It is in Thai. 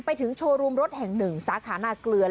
โชว์รูมรถแห่งหนึ่งสาขานาเกลือ